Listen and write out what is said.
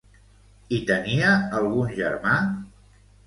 I tenia algun germà?